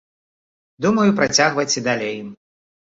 Думаю працягваць і далей.